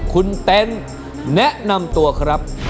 คุณเต็นต์แนะนำตัวครับ